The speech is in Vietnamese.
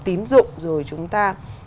tín dụng rồi chúng ta